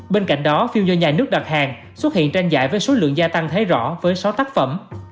bên cạnh đó phim do nhà nước đặt hàng xuất hiện tranh giải với số lượng gia tăng thấy rõ với sáu tác phẩm